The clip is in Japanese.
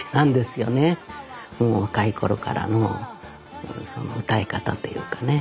若い頃からの歌い方というかね。